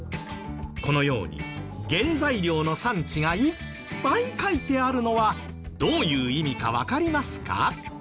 このように原材料の産地がいっぱい書いてあるのはどういう意味かわかりますか？